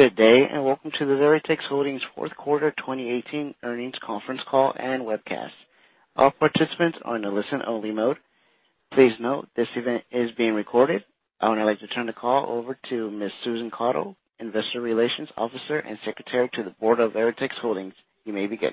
Good day. Welcome to the Veritex Holdings fourth quarter 2018 earnings conference call and webcast. All participants are in a listen-only mode. Please note, this event is being recorded. I would like to turn the call over to Ms. Susan Caudle, investor relations officer and secretary to the board of Veritex Holdings. You may begin.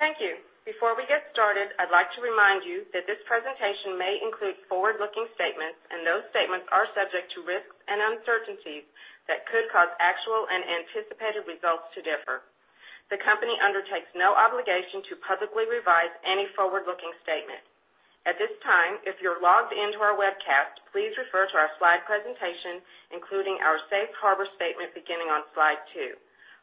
Thank you. Before we get started, I'd like to remind you that this presentation may include forward-looking statements. Those statements are subject to risks and uncertainties that could cause actual and anticipated results to differ. The company undertakes no obligation to publicly revise any forward-looking statement. At this time, if you're logged in to our webcast, please refer to our slide presentation, including our safe harbor statement, beginning on slide two.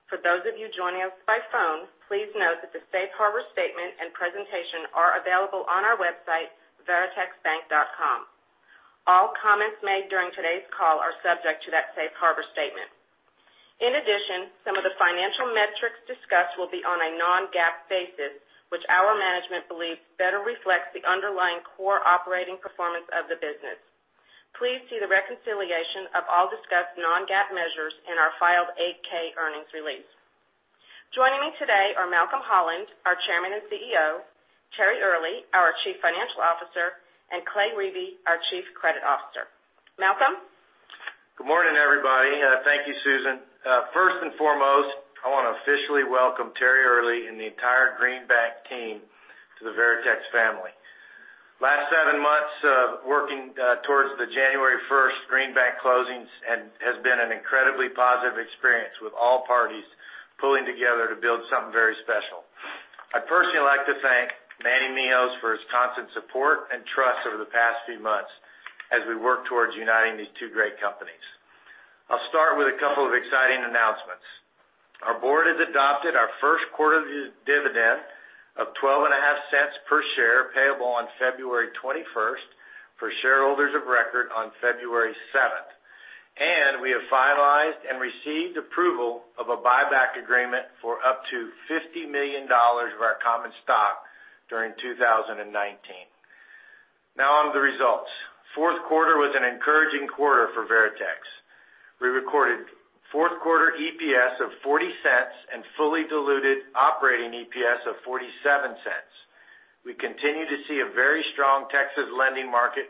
For those of you joining us by phone, please note that the safe harbor statement and presentation are available on our website, veritexbank.com. All comments made during today's call are subject to that safe harbor statement. In addition, some of the financial metrics discussed will be on a non-GAAP basis, which our management believes better reflects the underlying core operating performance of the business. Please see the reconciliation of all discussed non-GAAP measures in our filed 8-K earnings release. Joining me today are Malcolm Holland, our chairman and CEO, Terry Earley, our chief financial officer, and Clay Riebe, our chief credit officer. Malcolm? Good morning, everybody. Thank you, Susan. First and foremost, I want to officially welcome Terry Earley and the entire Green Bank team to the Veritex family. Last seven months of working towards the January 1st Green Bank closings has been an incredibly positive experience, with all parties pulling together to build something very special. I'd personally like to thank Manny Mihos for his constant support and trust over the past few months as we work towards uniting these two great companies. I'll start with a couple of exciting announcements. Our board has adopted our first quarter dividend of $0.125 per share, payable on February 21st, for shareholders of record on February 7th. We have finalized and received approval of a buyback agreement for up to $50 million of our common stock during 2019. Now on to the results. Fourth quarter was an encouraging quarter for Veritex. We recorded fourth quarter EPS of $0.40 and fully diluted operating EPS of $0.47. We continue to see a very strong Texas lending market,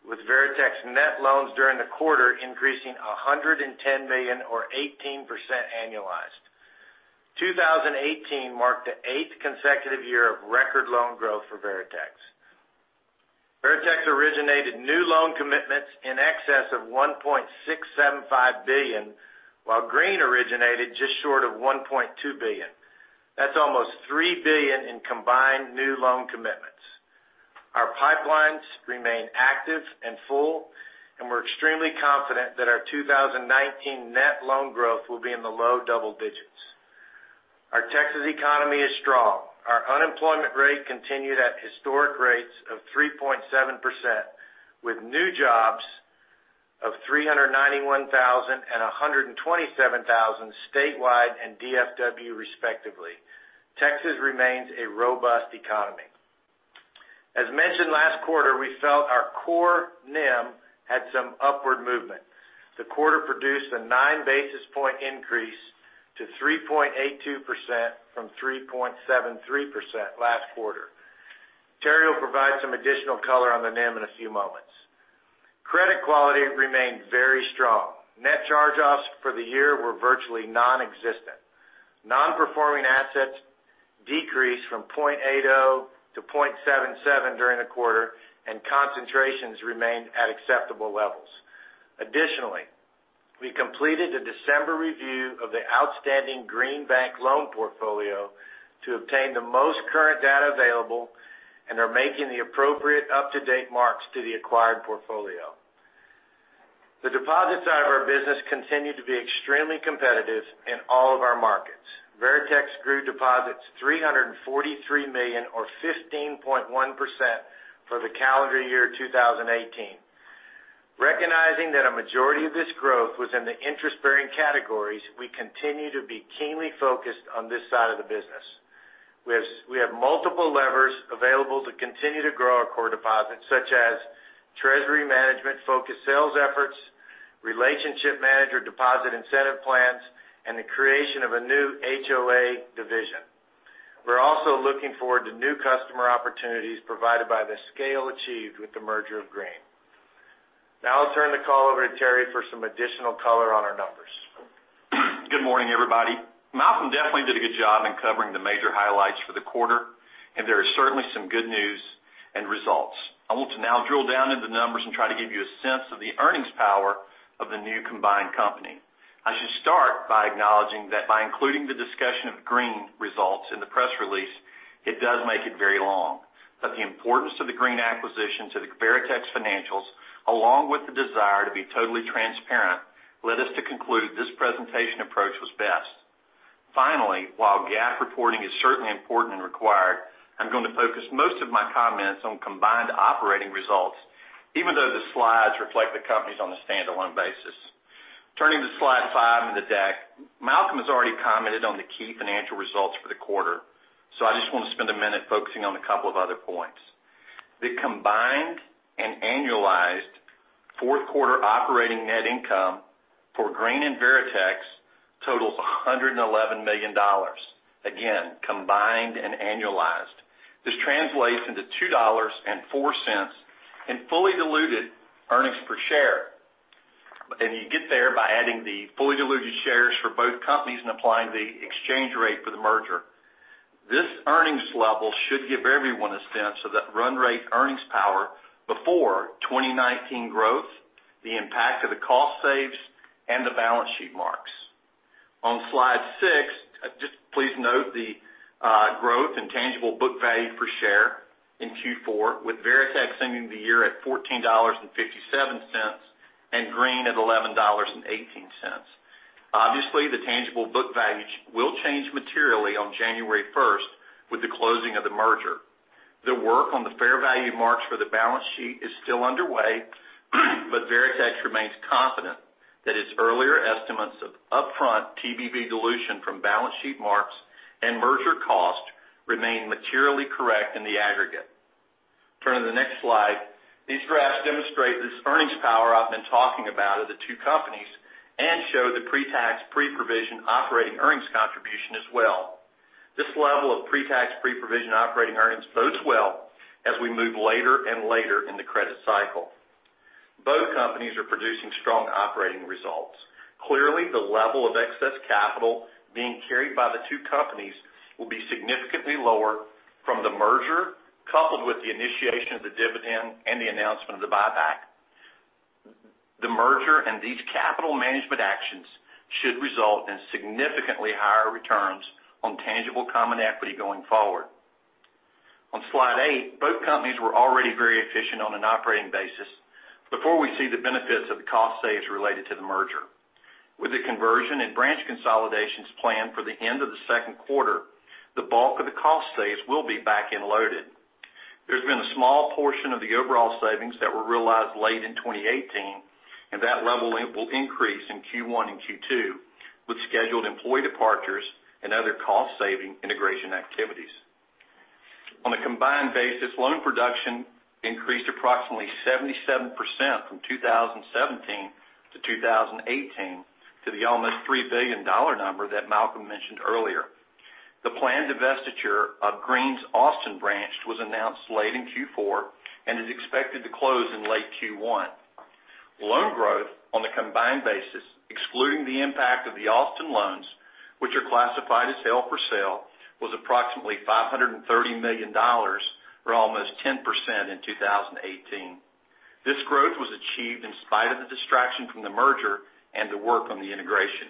with Veritex net loans during the quarter increasing $110 million or 18% annualized. 2018 marked the eighth consecutive year of record loan growth for Veritex. Veritex originated new loan commitments in excess of $1.675 billion, while Green originated just short of $1.2 billion. That's almost $3 billion in combined new loan commitments. Our pipelines remain active and full. We're extremely confident that our 2019 net loan growth will be in the low double digits. Our Texas economy is strong. Our unemployment rate continued at historic rates of 3.7%, with new jobs of 391,000 and 127,000 statewide and DFW respectively. Texas remains a robust economy. As mentioned last quarter, we felt our core NIM had some upward movement. The quarter produced a 9 basis point increase to 3.82% from 3.73% last quarter. Terry will provide some additional color on the NIM in a few moments. Credit quality remained very strong. Net charge-offs for the year were virtually nonexistent. Non-Performing Assets decreased from 0.80 to 0.77 during the quarter. Concentrations remained at acceptable levels. Additionally, we completed the December review of the outstanding Green Bank loan portfolio to obtain the most current data available and are making the appropriate up-to-date marks to the acquired portfolio. The deposit side of our business continued to be extremely competitive in all of our markets. Veritex grew deposits $343 million, or 15.1%, for the calendar year 2018. Recognizing that a majority of this growth was in the interest-bearing categories, we continue to be keenly focused on this side of the business. We have multiple levers available to continue to grow our core deposits, such as treasury management-focused sales efforts, relationship manager deposit incentive plans, and the creation of a new HOA division. We're also looking forward to new customer opportunities provided by the scale achieved with the merger of Green. Now I'll turn the call over to Terry for some additional color on our numbers. Good morning, everybody. Malcolm definitely did a good job in covering the major highlights for the quarter. There is certainly some good news and results. I want to now drill down into the numbers and try to give you a sense of the earnings power of the new combined company. I should start by acknowledging that by including the discussion of Green results in the press release, it does make it very long. The importance of the Green acquisition to the Veritex financials, along with the desire to be totally transparent, led us to conclude this presentation approach was best. Finally, while GAAP reporting is certainly important and required, I'm going to focus most of my comments on combined operating results, even though the slides reflect the companies on a standalone basis. Turning to slide five in the deck, Malcolm has already commented on the key financial results for the quarter, I just want to spend a minute focusing on a couple of other points. The combined and annualized fourth quarter operating net income for Green and Veritex totals $111 million. Again, combined and annualized. This translates into $2.04 in fully diluted earnings per share. You get there by adding the fully diluted shares for both companies and applying the exchange rate for the merger. This earnings level should give everyone a sense of that run rate earnings power before 2019 growth, the impact of the cost saves, and the balance sheet marks. On slide six, just please note the growth in tangible book value per share in Q4, with Veritex ending the year at $14.57 and Green at $11.18. Obviously, the tangible book value will change materially on January 1st, with the closing of the merger. The work on the fair value marks for the balance sheet is still underway, Veritex remains confident that its earlier estimates of upfront TBV dilution from balance sheet marks and merger cost remain materially correct in the aggregate. Turning to the next slide. These graphs demonstrate this earnings power I have been talking about of the two companies and show the pre-tax, pre-provision operating earnings contribution as well. This level of pre-tax, pre-provision operating earnings bodes well as we move later and later in the credit cycle. Both companies are producing strong operating results. Clearly, the level of excess capital being carried by the two companies will be significantly lower from the merger, coupled with the initiation of the dividend and the announcement of the buyback. The merger and these capital management actions should result in significantly higher returns on tangible common equity going forward. On slide eight, both companies were already very efficient on an operating basis before we see the benefits of the cost saves related to the merger. With the conversion and branch consolidations planned for the end of the second quarter, the bulk of the cost saves will be back end loaded. There's been a small portion of the overall savings that were realized late in 2018, that level will increase in Q1 and Q2, with scheduled employee departures and other cost-saving integration activities. On a combined basis, loan production increased approximately 77% from 2017 to 2018, to the almost $3 billion number that Malcolm mentioned earlier. The planned divestiture of Green's Austin branch was announced late in Q4 and is expected to close in late Q1. Loan growth on the combined basis, excluding the impact of the Austin loans, which are classified as held for sale, was approximately $530 million, or almost 10% in 2018. This growth was achieved in spite of the distraction from the merger and the work on the integration.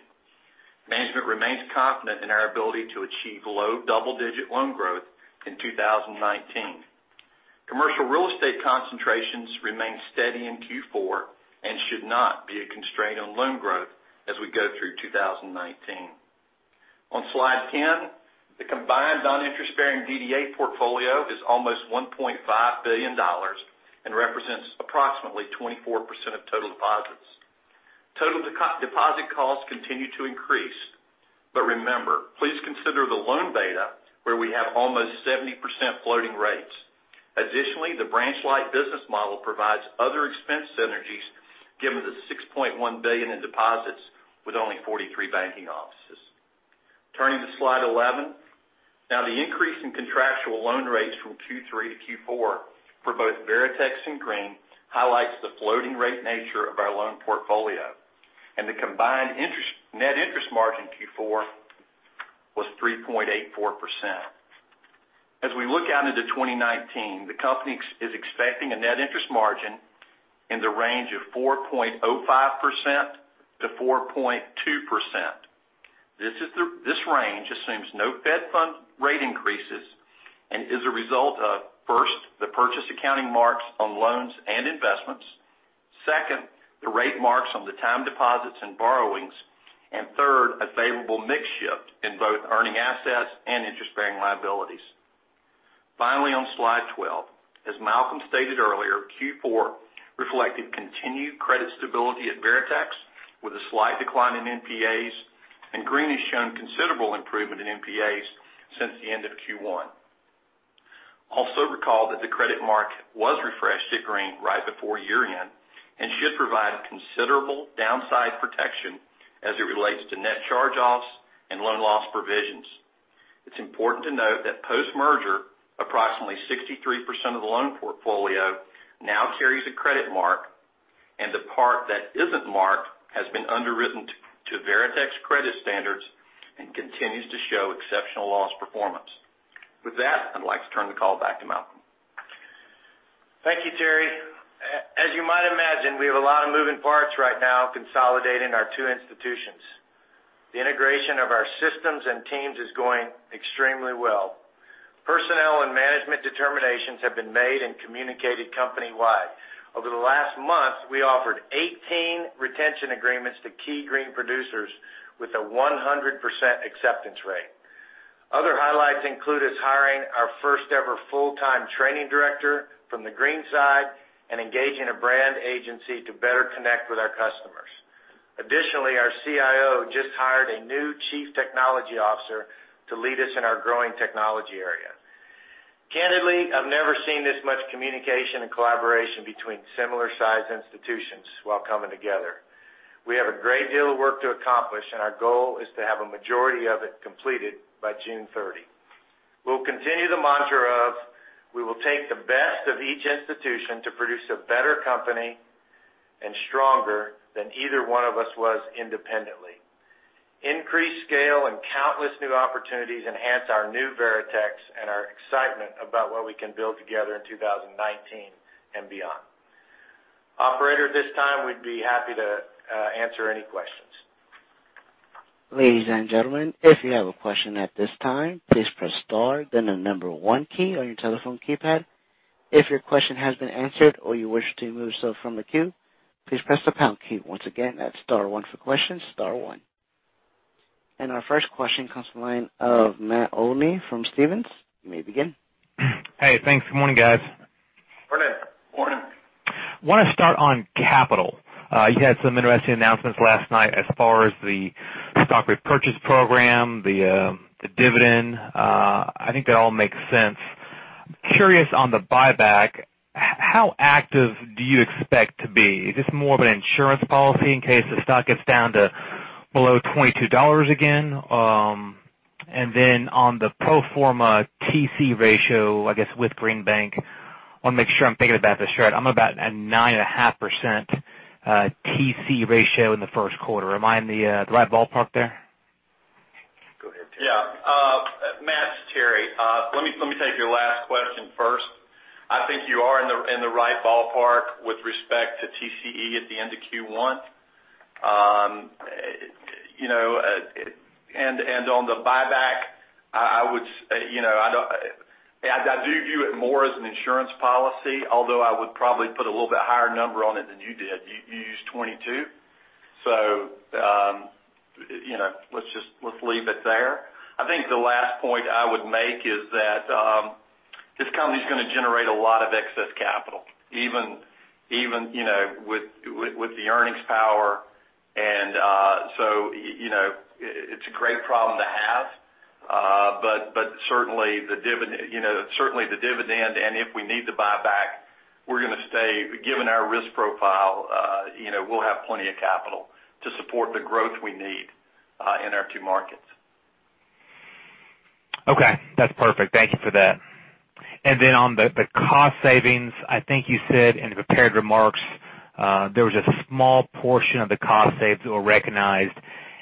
Management remains confident in our ability to achieve low double-digit loan growth in 2019. Commercial real estate concentrations remained steady in Q4 and should not be a constraint on loan growth as we go through 2019. On slide 10, the combined non-interest-bearing DDA portfolio is almost $1.5 billion and represents approximately 24% of total deposits. Total deposit costs continue to increase, remember, please consider the loan beta, where we have almost 70% floating rates. Additionally, the branch-light business model provides other expense synergies given the $6.1 billion in deposits with only 43 banking offices. Turning to slide 11. The increase in contractual loan rates from Q3 to Q4 for both Veritex and Green highlights the floating rate nature of our loan portfolio, and the combined net interest margin in Q4 was 3.84%. As we look out into 2019, the company is expecting a net interest margin in the range of 4.05%-4.2%. This range assumes no fed fund rate increases and is a result of, first, the purchase accounting marks on loans and investments. Second, the rate marks on the time deposits and borrowings. Third, a favorable mix shift in both earning assets and interest-bearing liabilities. Finally, on slide 12. As Malcolm stated earlier, Q4 reflected continued credit stability at Veritex, with a slight decline in NPAs, and Green has shown considerable improvement in NPAs since the end of Q1. Also recall that the credit mark was refreshed at Green right before year-end and should provide considerable downside protection as it relates to net charge-offs and loan loss provisions. It's important to note that post-merger, approximately 63% of the loan portfolio now carries a credit mark, and the part that isn't marked has been underwritten to Veritex credit standards and continues to show exceptional loss performance. With that, I'd like to turn the call back to Malcolm. Thank you, Terry. As you might imagine, we have a lot of moving parts right now consolidating our two institutions. The integration of our systems and teams is going extremely well. Personnel and management determinations have been made and communicated company-wide. Over the last month, we offered 18 retention agreements to key Green producers with a 100% acceptance rate. Other highlights include us hiring our first-ever full-time training director from the Green side and engaging a brand agency to better connect with our customers. Additionally, our CIO just hired a new chief technology officer to lead us in our growing technology area. Candidly, I've never seen this much communication and collaboration between similar-sized institutions while coming together. We have a great deal of work to accomplish. Our goal is to have a majority of it completed by June 30. We'll continue the mantra of, we will take the best of each institution to produce a better company and stronger than either one of us was independently. Increased scale and countless new opportunities enhance our new Veritex and our excitement about what we can build together in 2019 and beyond. Operator, at this time, we'd be happy to answer any questions. Ladies and gentlemen, if you have a question at this time, please press star, then the number one key on your telephone keypad. If your question has been answered or you wish to remove yourself from the queue, please press the pound key. Once again, that's star one for questions, star one. Our first question comes from the line of Matt Olney from Stephens. You may begin. Hey, thanks. Good morning, guys. Morning. Morning. Want to start on capital. You had some interesting announcements last night as far as the stock repurchase program, the dividend. I think that all makes sense. Curious on the buyback, how active do you expect to be? Is this more of an insurance policy in case the stock gets down to below $22 again? Then on the pro forma TCE ratio, I guess, with Green Bank, I want to make sure I'm thinking about this right. I'm about at 9.5% TCE ratio in the first quarter. Am I in the right ballpark there? Go ahead, Terry. Matt, it's Terry. Let me take your last question first. I think you are in the right ballpark with respect to TCE at the end of Q1. On the buyback, I do view it more as an insurance policy, although I would probably put a little bit higher number on it than you did. You used 22. Let's leave it there. I think the last point I would make is that, this company's going to generate a lot of excess capital, even, with the earnings power. It's a great problem to have. Certainly, the dividend, and if we need to buy back, given our risk profile, we'll have plenty of capital to support the growth we need, in our two markets. Okay, that's perfect. Thank you for that. On the cost savings, I think you said in the prepared remarks, there was a small portion of the cost saves that were recognized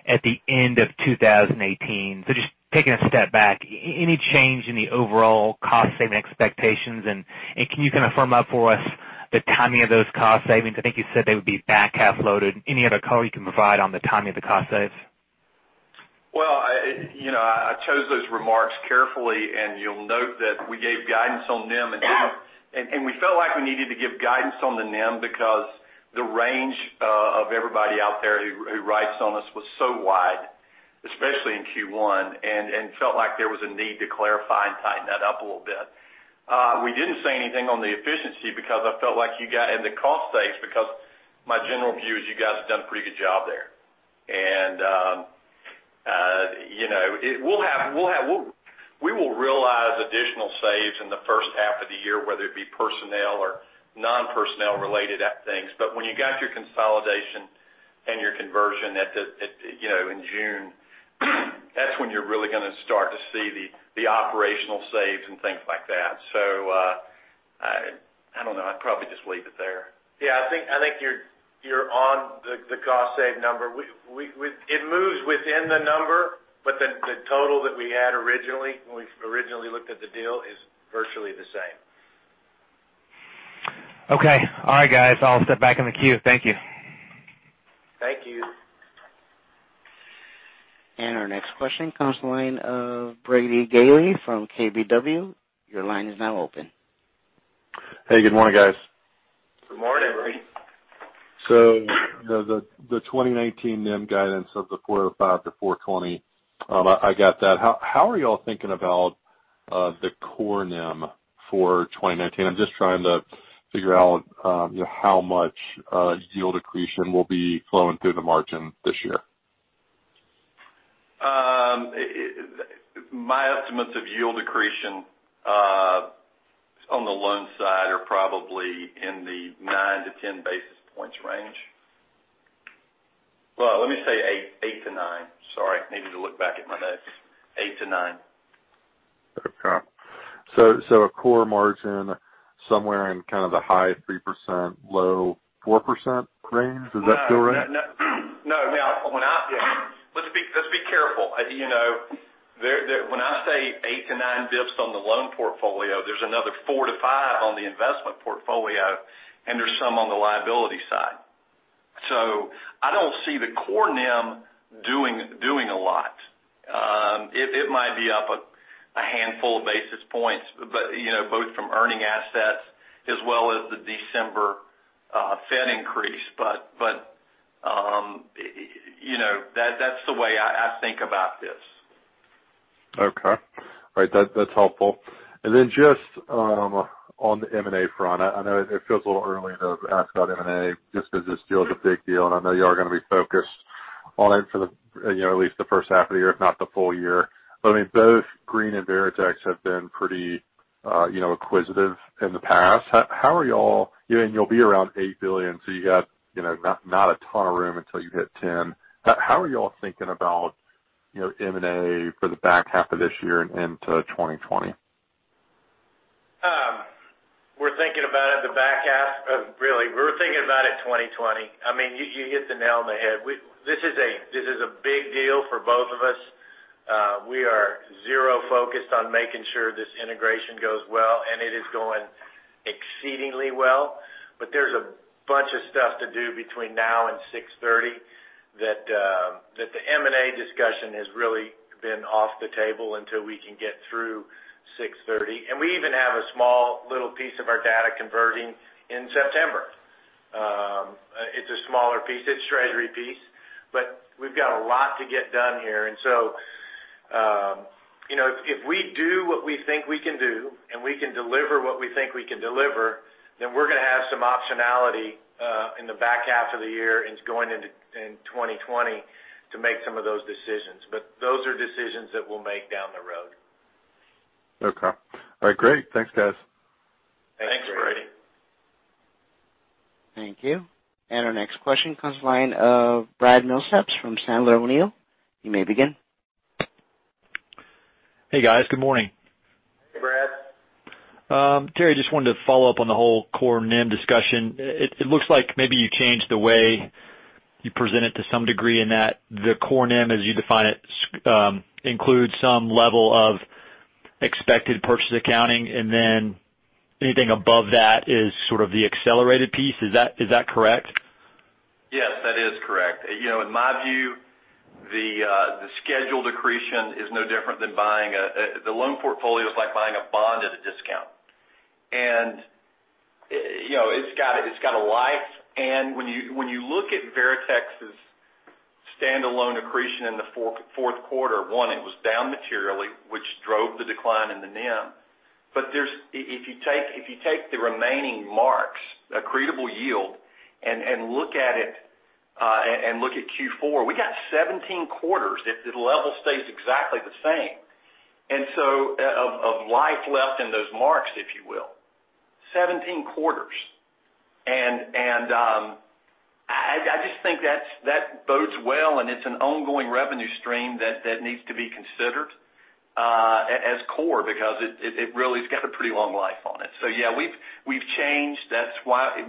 at the end of 2018. Just taking a step back, any change in the overall cost saving expectations? Can you kind of firm up for us the timing of those cost savings? I think you said they would be back half loaded. Any other color you can provide on the timing of the cost saves? Well, I chose those remarks carefully, and you'll note that we gave guidance on NIM. We felt like we needed to give guidance on the NIM because the range of everybody out there who writes on us was so wide, especially in Q1, and felt like there was a need to clarify and tighten that up a little bit. We didn't say anything on the efficiency because I felt like you got the cost saves, because my general view is you guys have done a pretty good job there. We will realize additional saves in the first half of the year, whether it be personnel or non-personnel related things. When you got your consolidation and your conversion in June, that's when you're really going to start to see the operational saves and things like that. I don't know. I'd probably just leave it there. Yeah, I think you're on the cost save number. It moves within the number, but the total that we had originally, when we originally looked at the deal, is virtually the same. Okay. All right, guys, I'll step back in the queue. Thank you. Thank you. Our next question comes from the line of Brady Gailey from KBW. Your line is now open. Hey, good morning, guys. Good morning, Brady. The 2019 NIM guidance of the 4.05%-4.20%, I got that. How are you all thinking about the core NIM for 2019? I'm just trying to figure out how much yield accretion will be flowing through the margin this year. My estimates of yield accretion on the loan side are probably in the 9 basis points-10 basis points range. Well, let me say 8 basis points-9 basis points. Sorry, I needed to look back at my notes. 8 basis points-9 basis points. Okay. A core margin somewhere in kind of the high 3%, low 4% range. Does that feel right? No. Let's be careful. When I say 8-9 basis points on the loan portfolio, there's another four to five on the investment portfolio, and there's some on the liability side. I don't see the core NIM doing a lot. It might be up a handful of basis points, both from earning assets as well as the December Fed increase. That's the way I think about this. Okay. Right. That's helpful. Then just on the M&A front, I know it feels a little early to ask about M&A just because this deal is a big deal, and I know you all are going to be focused on it for at least the first half of the year, if not the full year. Both Green and Veritex have been pretty acquisitive in the past. You'll be around $8 billion, so you got not a ton of room until you hit 10. How are you all thinking about M&A for the back half of this year and into 2020? We're thinking about it the back half. Really, we were thinking about it 2020. You hit the nail on the head. This is a big deal for both of us. We are zero focused on making sure this integration goes well, and it is going exceedingly well. There's a bunch of stuff to do between now and 6/30 that the M&A discussion has really been off the table until we can get through 6/30. We even have a small little piece of our data converting in September. It's a smaller piece, it's a treasury piece, we've got a lot to get done here. If we do what we think we can do, and we can deliver what we think we can deliver, then we're going to have some optionality in the back half of the year and going into 2020 to make some of those decisions. Those are decisions that we'll make down the road. Okay. All right, great. Thanks, guys. Thanks, Brady. Thank you. Our next question comes line of Brad Milsaps from Sandler O'Neill. You may begin. Hey, guys. Good morning. Hey, Brad. Terry, just wanted to follow up on the whole core NIM discussion. It looks like maybe you changed the way you present it to some degree in that the core NIM, as you define it, includes some level of expected purchase accounting, and then anything above that is sort of the accelerated piece. Is that correct? Yes, that is correct. In my view, the scheduled accretion is no different than the loan portfolio is like buying a bond at a discount. It's got a life, when you look at Veritex's standalone accretion in the fourth quarter, one, it was down materially, which drove the decline in the NIM. If you take the remaining marks, accretable yield, and look at it, and look at Q4, we got 17 quarters if the level stays exactly the same. Of life left in those marks, if you will. 17 quarters. I just think that bodes well, and it's an ongoing revenue stream that needs to be considered as core because it really has got a pretty long life on it. Yeah, we've changed, I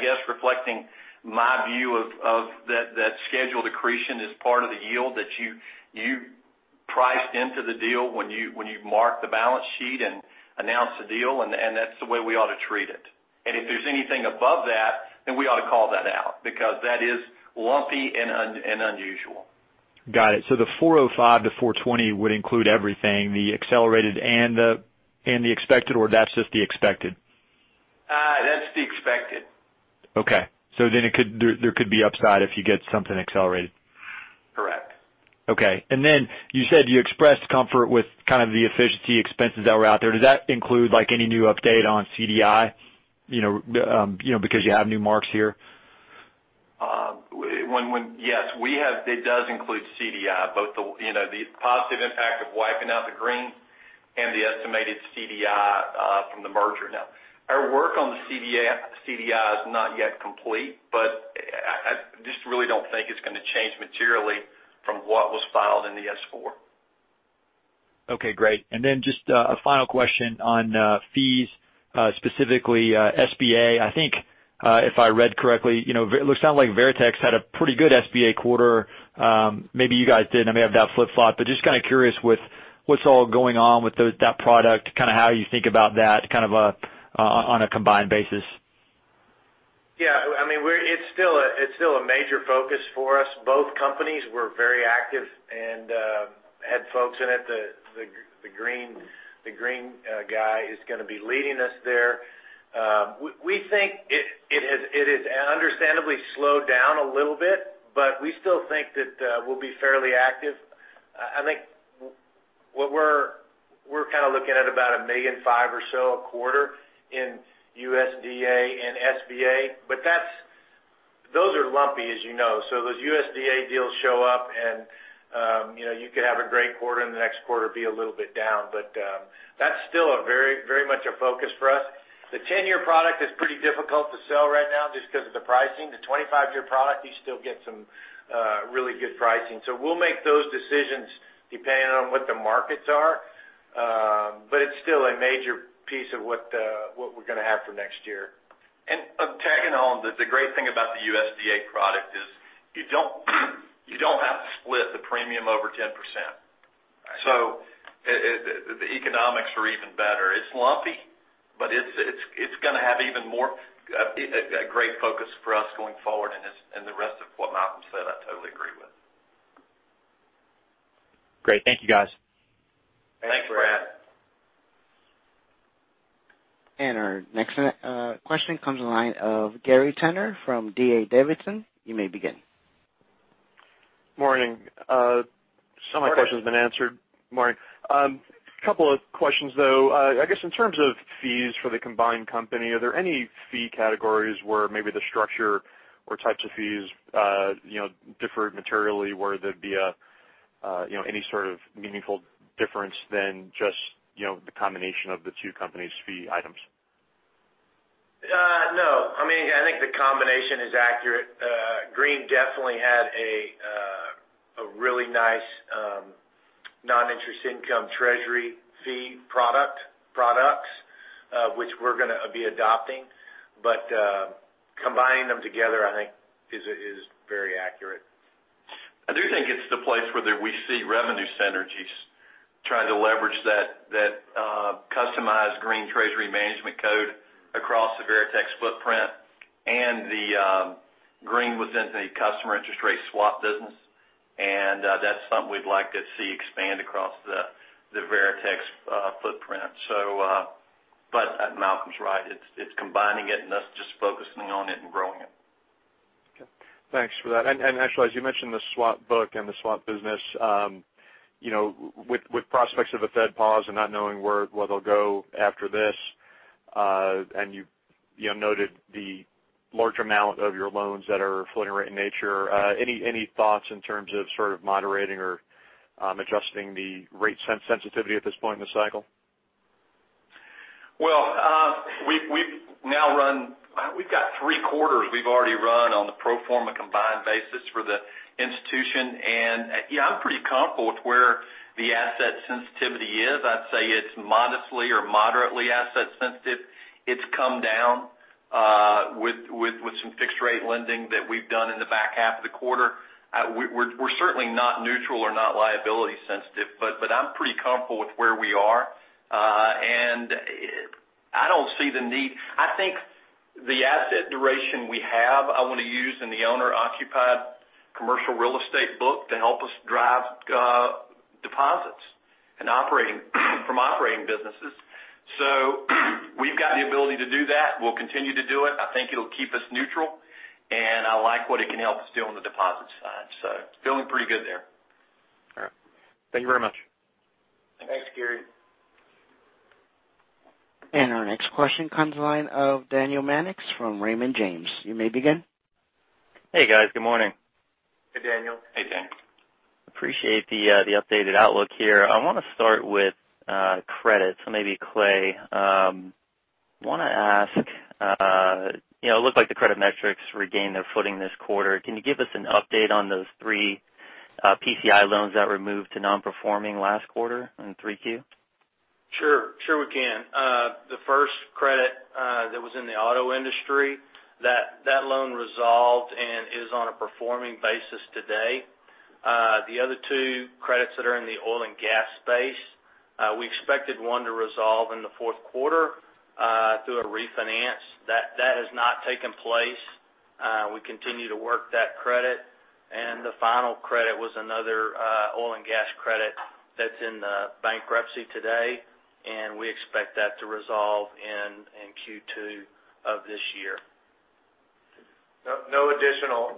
guess, reflecting my view of that scheduled accretion as part of the yield that you priced into the deal when you marked the balance sheet and announced the deal, and that's the way we ought to treat it. If there's anything above that, then we ought to call that out, because that is lumpy and unusual. Got it. The 405 to 420 would include everything, the accelerated and the expected, or that's just the expected? That's the expected. Okay. There could be upside if you get something accelerated. Correct. Okay. You said you expressed comfort with kind of the efficiency expenses that were out there. Does that include like any new update on CDI, because you have new marks here? Yes. It does include CDI, both the positive impact of wiping out the Green and the estimated CDI from the merger. Our work on the CDI is not yet complete, but I just really don't think it's going to change materially from what was filed in the S4. Okay, great. Just a final question on fees, specifically SBA. I think if I read correctly, it looks like Veritex had a pretty good SBA quarter. Maybe you guys didn't. I may have that flip-flopped, just kind of curious with what's all going on with that product, kind of how you think about that kind of on a combined basis. Yeah. It's still a major focus for us. Both companies were very active and had folks in it. The Green guy is going to be leading us there. We think it has understandably slowed down a little bit, we still think that we'll be fairly active. I think we're kind of looking at about $1.5 million or so a quarter in USDA and SBA. Those are lumpy, as you know. Those USDA deals show up and you could have a great quarter and the next quarter be a little bit down. That's still very much a focus for us. The 10-year product is pretty difficult to sell right now just because of the pricing. The 25-year product, you still get some really good pricing. We'll make those decisions depending on what the markets are. It's still a major piece of what we're going to have for next year. Tagging on, the great thing about the USDA product is you don't have to split the premium over 10%. Right. The economics are even better. It's lumpy, but it's going to have even more a great focus for us going forward. The rest of what Malcolm said, I totally agree with. Great. Thank you, guys. Thanks, Brad. Our next question comes the line of Gary Tenner from D.A. Davidson. You may begin. Morning. Morning. Some of my question's been answered. Morning. Couple of questions, though. I guess in terms of fees for the combined company, are there any fee categories where maybe the structure or types of fees differ materially, where there'd be any sort of meaningful difference than just the combination of the two companies' fee items? No. I think the combination is accurate. Green definitely had a really nice non-interest income treasury fee products, which we're going to be adopting. Combining them together, I think is very accurate. I do think it's the place where we see revenue synergies, trying to leverage that customized Green treasury management code across the Veritex footprint and the Green was in the customer interest rate swap business, and that's something we'd like to see expand across the Veritex footprint. Malcolm's right, it's combining it and us just focusing on it and growing it. Okay, thanks for that. Actually, as you mentioned, the swap book and the swap business, with prospects of a Fed pause and not knowing where they'll go after this, and you noted the large amount of your loans that are floating rate in nature, any thoughts in terms of sort of moderating or adjusting the rate sensitivity at this point in the cycle? Well, we've got three quarters we've already run on the pro forma combined basis for the institution, yeah, I'm pretty comfortable with where the asset sensitivity is. I'd say it's modestly or moderately asset sensitive. It's come down with some fixed rate lending that we've done in the back half of the quarter. We're certainly not neutral or not liability sensitive, but I'm pretty comfortable with where we are. I don't see the need. I think the asset duration we have, I want to use in the owner-occupied commercial real estate book to help us drive deposits from operating businesses. We've got the ability to do that. We'll continue to do it. I think it'll keep us neutral, and I like what it can help us do on the deposit side. Feeling pretty good there. All right. Thank you very much. Thanks, Gary. Our next question comes line of Daniel Mannix from Raymond James. You may begin. Hey, guys. Good morning. Hey, Daniel. Hey, Daniel. Appreciate the updated outlook here. I want to start with credit, so maybe Clay. I want to ask, it looked like the credit metrics regained their footing this quarter. Can you give us an update on those three PCI loans that were moved to non-performing last quarter in 3Q? Sure, we can. The first credit that was in the auto industry, that loan resolved and is on a performing basis today. The other two credits that are in the oil and gas space, we expected one to resolve in the fourth quarter through a refinance. That has not taken place. We continue to work that credit, and the final credit was another oil and gas credit that's in bankruptcy today, and we expect that to resolve in Q2 of this year. No additional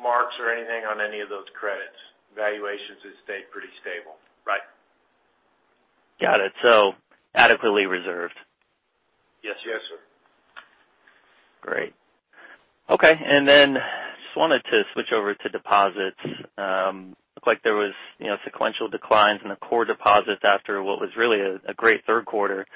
marks or anything on any of those credits. Valuations have stayed pretty stable. Right. Got it. Adequately reserved. Yes. Yes, sir. Great. Okay, just wanted to switch over to deposits. Looked like there was sequential declines in the core deposits after what was really a great third quarter.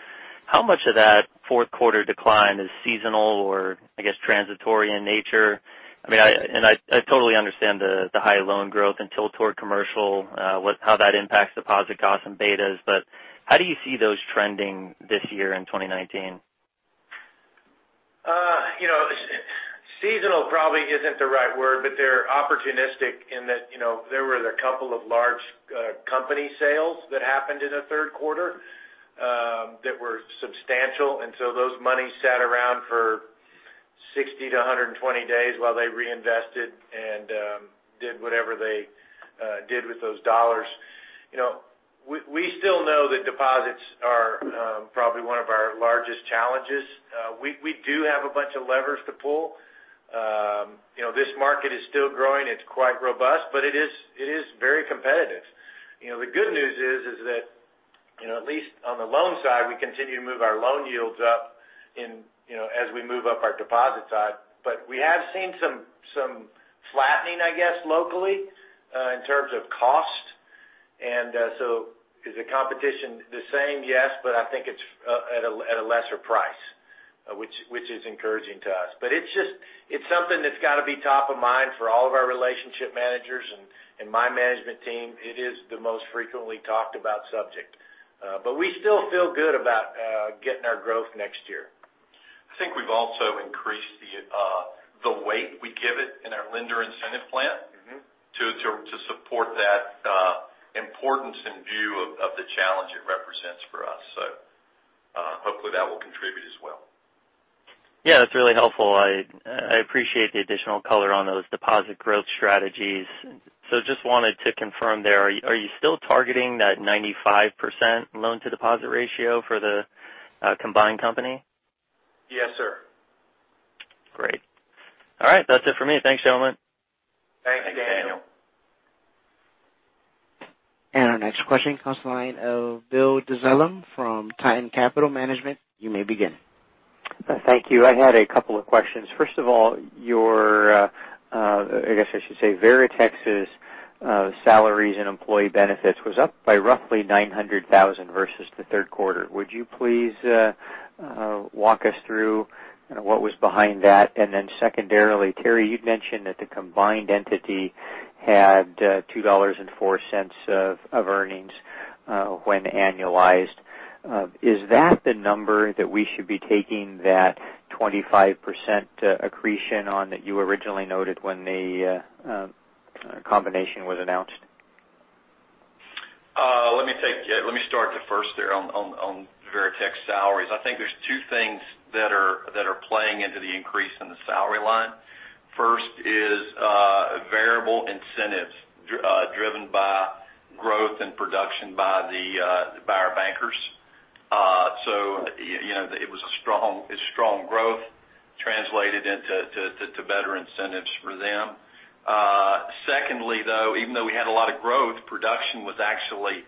How much of that fourth quarter decline is seasonal or, I guess, transitory in nature? I totally understand the high loan growth and tilt toward commercial, how that impacts deposit costs and betas, but how do you see those trending this year in 2019? Seasonal probably isn't the right word, they're opportunistic in that there were a couple of large company sales that happened in the third quarter that were substantial. Those monies sat around for 60 to 120 days while they reinvested and did whatever they did with those dollars. We still know that deposits are probably one of our largest challenges. We do have a bunch of levers to pull. This market is still growing. It's quite robust, but it is very competitive. The good news is that at least on the loan side, we continue to move our loan yields up as we move up our deposit side. We have seen some flattening, I guess, locally, in terms of cost. Is the competition the same? Yes, I think it's at a lesser price, which is encouraging to us. It's something that's got to be top of mind for all of our relationship managers and my management team. It is the most frequently talked about subject. We still feel good about getting our growth next year. I think we've also increased the weight we give it in our lender incentive plan. To support that importance in view of the challenge it represents for us. Hopefully that will contribute as well. Yeah, that's really helpful. I appreciate the additional color on those deposit growth strategies. Just wanted to confirm there, are you still targeting that 95% loan to deposit ratio for the combined company? Yes, sir. Great. All right. That's it for me. Thanks, gentlemen. Thanks, Daniel. Our next question comes to the line of Bill Dezellem from Tieton Capital Management. You may begin. Thank you. I had a couple of questions. First of all, your, I guess I should say, Veritex's salaries and employee benefits was up by roughly $900,000 versus the third quarter. Would you please walk us through what was behind that? Secondarily, Terry, you'd mentioned that the combined entity had $2.04 of earnings when annualized. Is that the number that we should be taking that 25% accretion on that you originally noted when the combination was announced? Let me start the first there on Veritex salaries. I think there's two things that are playing into the increase in the salary line. First is variable incentives driven by growth and production by our bankers. It's strong growth translated into better incentives for them. Secondly, though, even though we had a lot of growth, production was actually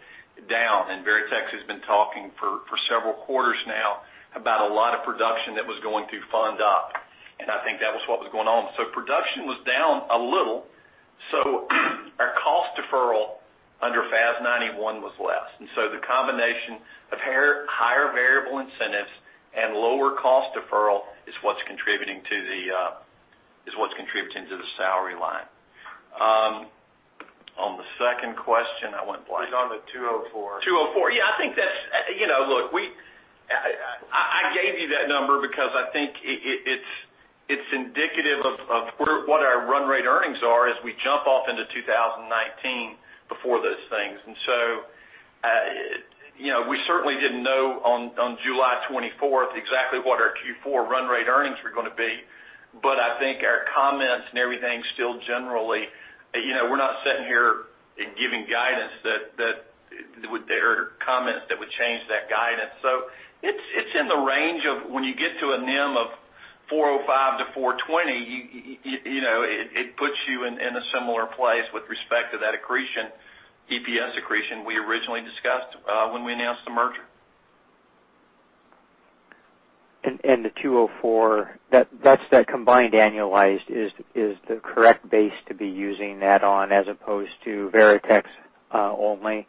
down, Veritex has been talking for several quarters now about a lot of production that was going to fund up, and I think that was what was going on. Production was down a little. Our cost deferral under FAS 91 was less. The combination of higher variable incentives and lower cost deferral is what's contributing to the salary line. On the second question, I went blank. It's on the 204. 204. Yeah, look, I gave you that number because I think it's indicative of what our run rate earnings are as we jump off into 2019 before those things. We certainly didn't know on July 24th exactly what our Q4 run rate earnings were going to be. I think our comments and everything still generally, we're not sitting here and giving guidance or comments that would change that guidance. It's in the range of when you get to a NIM of 405 to 420, it puts you in a similar place with respect to that accretion, EPS accretion we originally discussed when we announced the merger. The 204, that's that combined annualized is the correct base to be using that on as opposed to Veritex only.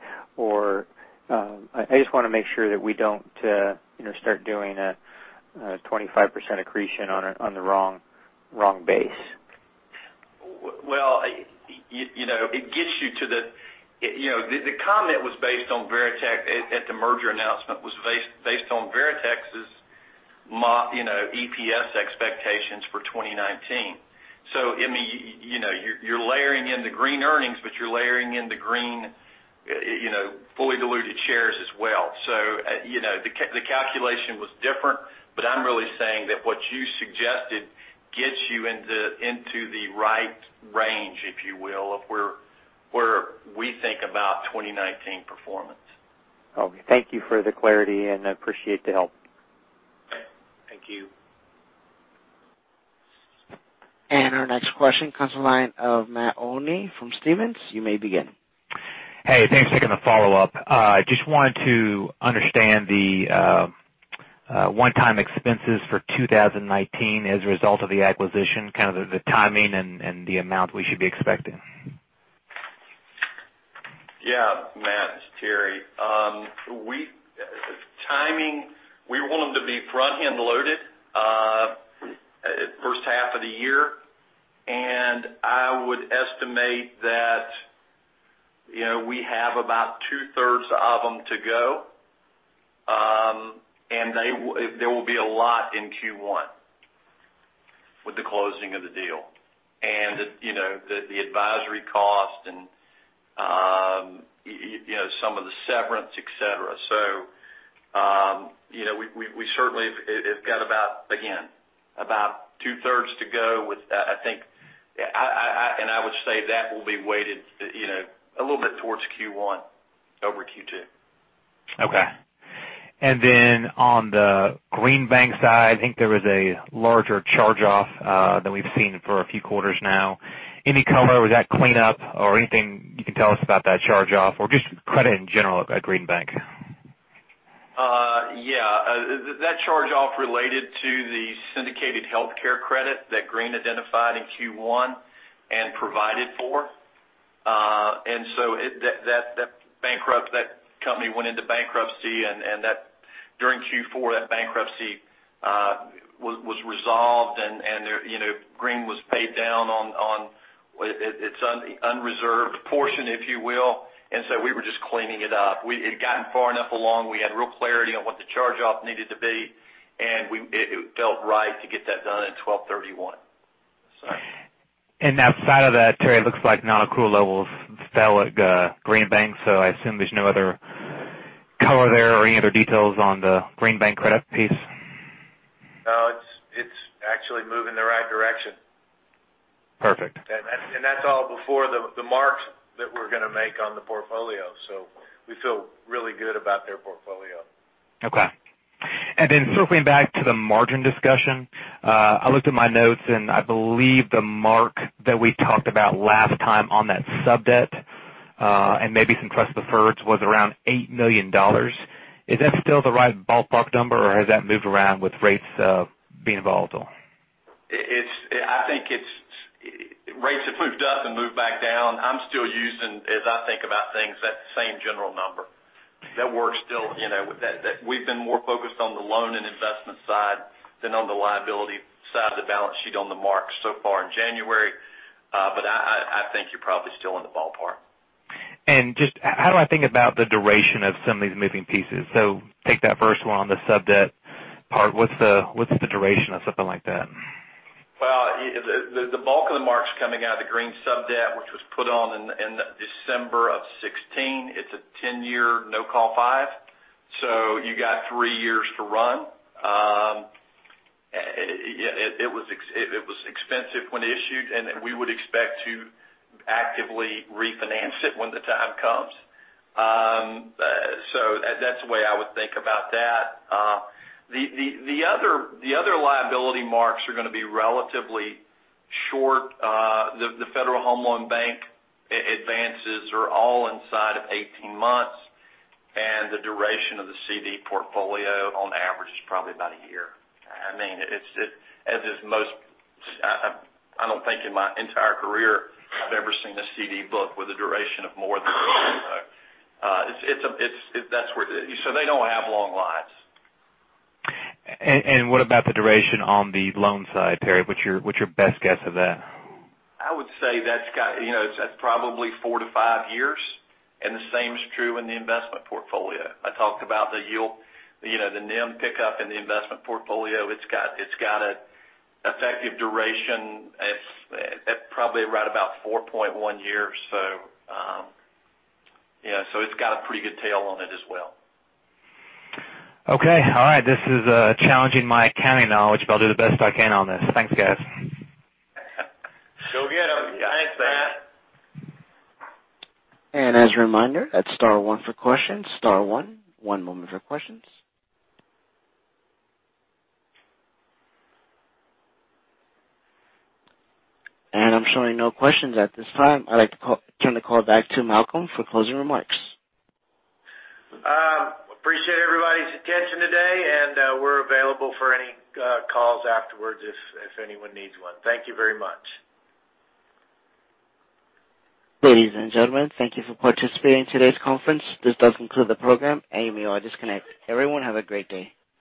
I just want to make sure that we don't start doing a 25% accretion on the wrong base. Well, the comment at the merger announcement was based on Veritex's EPS expectations for 2019. You're layering in the Green earnings, but you're layering in the Green fully diluted shares as well. The calculation was different, but I'm really saying that what you suggested gets you into the right range, if you will, of where we think about 2019 performance. Okay. Thank you for the clarity, and I appreciate the help. Thank you. Our next question comes to the line of Matt Olney from Stephens. You may begin. Hey, thanks for taking the follow-up. I just wanted to understand the one-time expenses for 2019 as a result of the acquisition, kind of the timing and the amount we should be expecting. Yeah, Matt, it's Terry. Timing, we want them to be front-end loaded first half of the year. I would estimate that we have about two-thirds of them to go. There will be a lot in Q1 with the closing of the deal, and the advisory cost and some of the severance, et cetera. We certainly have got, again, about two-thirds to go with that, I think. I would say that will be weighted a little bit towards Q1 over Q2. Okay. On the Green Bank side, I think there was a larger charge-off than we've seen for a few quarters now. Any color, was that clean up or anything you can tell us about that charge-off or just credit in general at Green Bank? Yeah. That charge-off related to the syndicated healthcare credit that Green identified in Q1 and provided for. That company went into bankruptcy, and during Q4, that bankruptcy was resolved, and Green was paid down on its unreserved portion, if you will. We were just cleaning it up. It had gotten far enough along. We had real clarity on what the charge-off needed to be, and it felt right to get that done in 1231. Outside of that, Terry, it looks like non-accrual levels fell at Green Bank, so I assume there's no other color there or any other details on the Green Bank credit piece. No, it's actually moving in the right direction. Perfect. That's all before the marks that we're going to make on the portfolio. We feel really good about their portfolio. Okay. Circling back to the margin discussion, I looked at my notes, I believe the mark that we talked about last time on that sub-debt, and maybe some trust preferreds, was around $8 million. Is that still the right ballpark number, or has that moved around with rates being volatile? Rates have moved up and moved back down. I'm still using, as I think about things, that same general number. We've been more focused on the loan and investment side than on the liability side of the balance sheet on the marks so far in January. I think you're probably still in the ballpark. Just how do I think about the duration of some of these moving pieces? Take that first one on the sub-debt part. What's the duration of something like that? The bulk of the marks coming out of the Green sub-debt, which was put on in December of 2016, it's a 10-year no-call five. You got three years to run. It was expensive when issued, we would expect to actively refinance it when the time comes. That's the way I would think about that. The other liability marks are going to be relatively short. The Federal Home Loan Bank advances are all inside of 18 months, and the duration of the CDI portfolio on average is probably about a year. I don't think in my entire career I've ever seen a CD book with a duration of more than a year. They don't have long lives. What about the duration on the loan side, Terry? What's your best guess of that? I would say it's probably four to five years, and the same is true in the investment portfolio. I talked about the NIM pickup in the investment portfolio. It's got an effective duration at probably right about 4.1 years. It's got a pretty good tail on it as well. Okay. All right. This is challenging my accounting knowledge, but I'll do the best I can on this. Thanks, guys. Go get them. Thanks, Matt. As a reminder, that's star one for questions. Star one. One moment for questions. I'm showing no questions at this time. I'd like to turn the call back to Malcolm for closing remarks. Appreciate everybody's attention today, and we're available for any calls afterwards if anyone needs one. Thank you very much. Ladies and gentlemen, thank you for participating in today's conference. This does conclude the program, and you may all disconnect. Everyone, have a great day.